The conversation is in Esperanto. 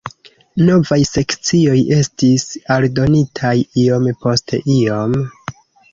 Novaj sekcioj estis aldonitaj iom post iom.